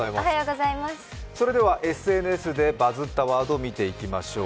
それではＳＮＳでバズッたワードを見ていきましょう。